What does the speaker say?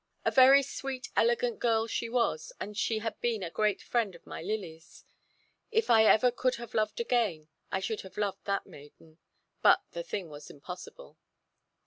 A very sweet elegant girl she was, and she had been a great friend of my Lily's. If I could ever have loved again, I should have loved that maiden: but the thing was impossible.